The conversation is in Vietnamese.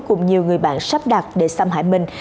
cùng nhiều người bạn sắp đặt để xâm hại mình